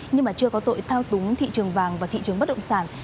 nhưng mà chưa có tội thao túng thị trường vàng và thị trường bất động sản